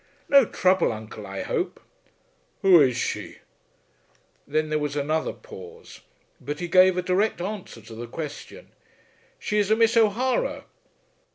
"No trouble, uncle, I hope." "Who is she?" Then there was another pause, but he gave a direct answer to the question. "She is a Miss O'Hara."